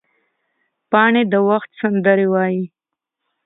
پاڼې د وخت سندره وایي